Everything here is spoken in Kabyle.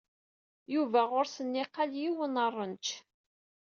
Yuba ɣuṛ-s nniqal yiwen ranč.